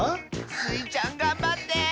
スイちゃんがんばって！